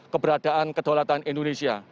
keberadaan kedaulatan indonesia